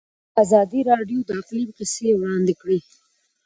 ازادي راډیو د اقلیم کیسې وړاندې کړي.